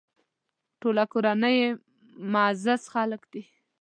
ټوله کورنۍ یې معزز خلک دي.